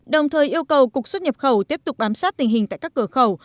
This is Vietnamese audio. đồng thời yêu cầu cục xuất nhập khẩu tiếp tục bám sát tình hình tại các cửa khẩu